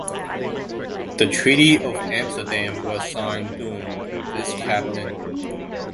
The Treaty of Amsterdam was signed during this cabinet.